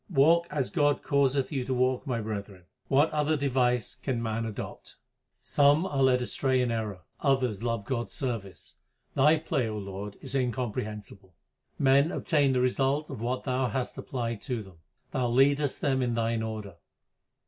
Walk as God causeth you to walk, my brethren ; what other device can man adopt ? Some are led astray in error, others love God s service ; Thy play, O Lord, is incomprehensible. Men obtain the result of what Thou hast applied them to ; Thou leadest them by Thine order.